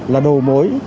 là đầu mối